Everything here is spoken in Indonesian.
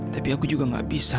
tapi aku juga gak bisa